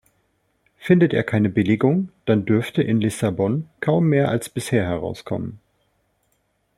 Findet er keine Billigung, dann dürfte in Lissabon kaum mehr als bisher herauskommen.